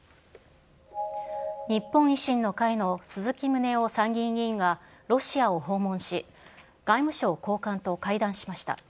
日本維新の会の鈴木宗男参議院議員がロシアを訪問し、外務省高官と会談しました。